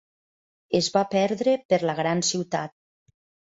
Es va perdre per la gran ciutat.